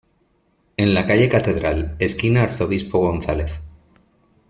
En la calle Catedral, esquina Arzobispo Gonzalez.